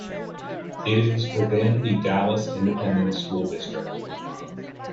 It is within the Dallas Independent School District.